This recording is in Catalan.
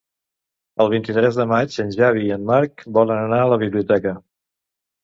El vint-i-tres de maig en Xavi i en Marc volen anar a la biblioteca.